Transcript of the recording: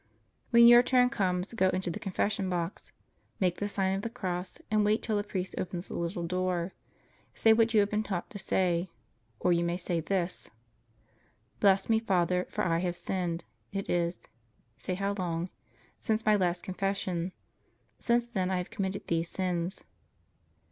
When your turn comes, go into the confession box. Make the Sign of the Cross and wait till the priest opens the little door. Say what you have been taught to say. Or you may say this: Bless me, Father, for I have sinned. It is (say how long) since my last confession. Since then I have committed these sins.